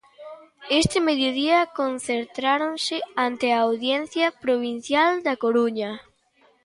Este mediodía concentráronse ante a Audiencia Provincial da Coruña.